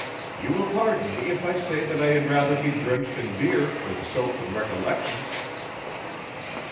'You will pardon me if I say that I had rather be drenched in beer than soaked in recollections.